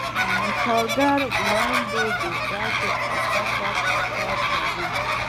کارګر وړاندې د ورځې اته ساعته کار کاوه